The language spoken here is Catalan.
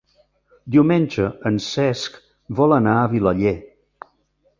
Diumenge en Cesc vol anar a Vilaller.